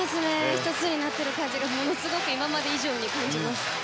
１つになっている感じがものすごく今まで以上に感じます。